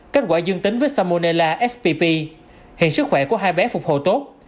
kết quả dương tính với salmonella spp hiện sức khỏe của hai bé phục hồi tốt